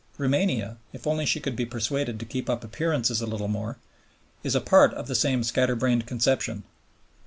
Roumania, if only she could be persuaded to keep up appearances a little more, is a part of the same scatter brained conception.